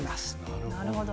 なるほど。